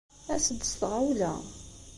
As-d s tɣawla!